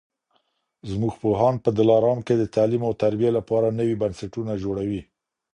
زموږ پوهان په دلارام کي د تعلیم او تربیې لپاره نوي بنسټونه جوړوي.